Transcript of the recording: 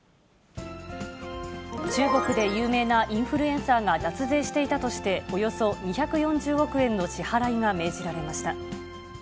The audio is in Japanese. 中国で有名なインフルエンサーが脱税していたとして、およそ２４０億円の支払いが命じられました。